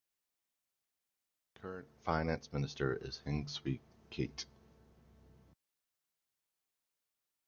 The current Finance Minister is Heng Swee Keat.